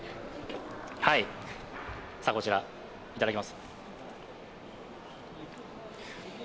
こちら、いただきます。